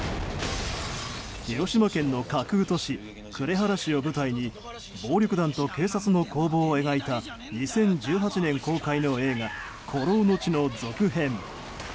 広島県の架空都市呉原市を舞台に暴力団と警察の攻防を描いた２０１８年公開の映画「孤狼の血」の続編。